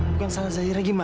bukan salah zahirah gimana